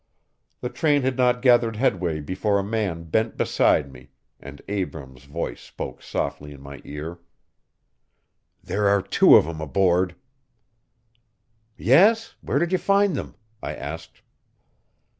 The train had not gathered headway before a man bent beside me, and Abrams' voice spoke softly in my ear. "There are two of 'em aboard." "Yes? Where did you find them?" I asked.